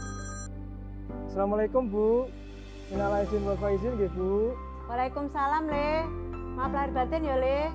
assalamualaikum bu innalaizin walfaizin gebu waalaikumsalam le maaf lahir batin yole